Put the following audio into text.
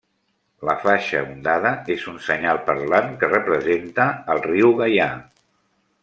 La faixa ondada és un senyal parlant que representa el riu Gaià.